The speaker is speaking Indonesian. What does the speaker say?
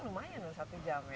lumayan loh satu jam ya